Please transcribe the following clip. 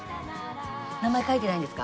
名前書いてないんですか？